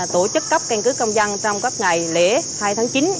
tổ chức cấp căn cứ công dân trong các ngày lễ hai tháng chín